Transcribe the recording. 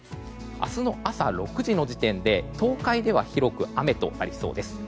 明日の朝６時の時点で東海では広く雨となりそうです。